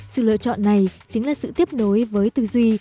sự lựa chọn này chính là sự tiếp nối với tư duy